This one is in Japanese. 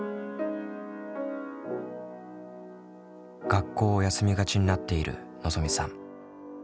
学校を休みがちになっているのぞみさん。